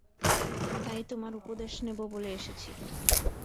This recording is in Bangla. তাই তোমার উপদেশ নেব বলে এসেছি।